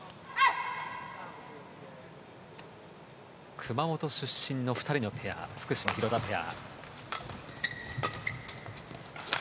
熊本出身の２人のペア福島、廣田ペア。